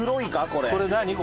これ」